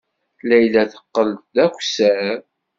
Layla teqqel d akessar.